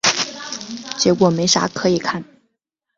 结果没啥可以看